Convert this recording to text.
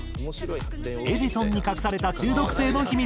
『エジソン』に隠された中毒性の秘密。